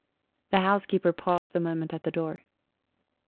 The housekeeper paused a moment at the door.